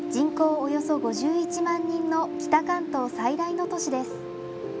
およそ５１万人の北関東最大の都市です。